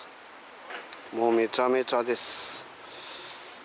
もうめちゃめちゃです